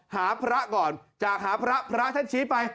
หาพระก่อนจากหาพระพระท่านชี้ไป